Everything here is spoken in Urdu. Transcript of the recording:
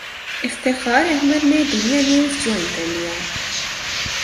افتخار احمد نے دنیا نیوز جوائن کر لیا